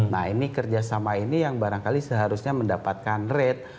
nah ini kerjasama ini yang barangkali seharusnya mendapatkan rate